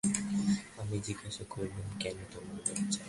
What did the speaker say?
আমি জিজ্ঞাসা করলুম, কেন তোমার লজ্জা?